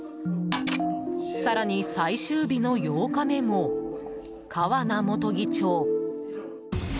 更に、最終日の８日目も川名元議長。